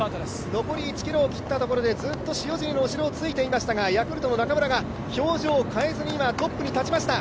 残り１ｋｍを切ったところでずっと塩尻の後ろをついていましたがヤクルトの中村が表情を変えずに今、トップに立ちました。